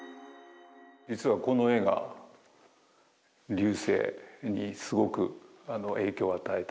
実はこの絵が劉生にすごく影響を与えた絵です。